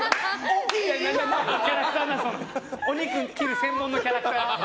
お肉切る専門のキャラクター。